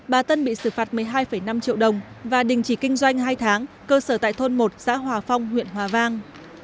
bà tân bị xử phạt một mươi hai năm triệu đồng và đình chỉ kinh doanh hai tháng cơ sở tại thôn một xã hòa phong huyện hòa vang